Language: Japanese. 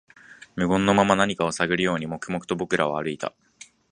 無言のまま、何かを探るように、黙々と僕らは歩いた